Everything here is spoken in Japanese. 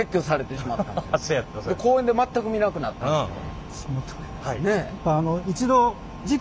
で公園で全く見なくなったんですよ。